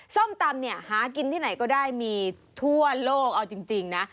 ส้มตำเนี่ยหากินที่ไหนก็ได้มีทั่วโลกเอาจริงนะ